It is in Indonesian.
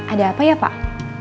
ada apa ya pak